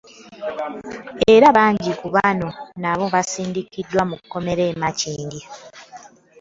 Era bangi ku bano nabo baasindikibwa mu kkomera e Makindye.